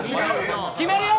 決めるよ！